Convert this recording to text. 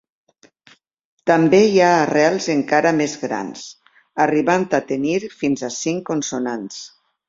També hi ha arrels encara més grans, arribant a tenir fins a cinc consonants.